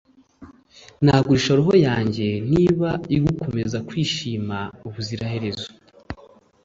nagurisha roho yanjye niba igukomeza kwishima ubuziraherezo,